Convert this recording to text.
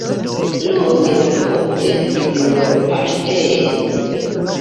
Longe la loko estis nur paŝtejo.